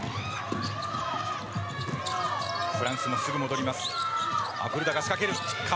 フランスもすぐ戻ります。